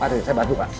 mari saya bantu pak